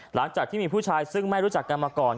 หลังจากที่มีผู้ชายซึ่งไม่รู้จักกันมาก่อน